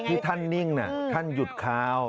ที่ท่านนิ่งท่านหยุดคาว